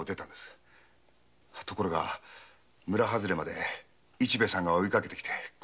ところが村外れまで市兵衛さんが追いかけてきて。